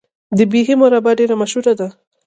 د بیحي مربا ډیره مشهوره ده.